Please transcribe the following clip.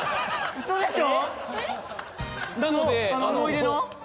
ウソでしょ？